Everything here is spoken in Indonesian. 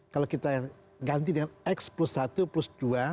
kalau kita ganti dengan x plus satu plus dua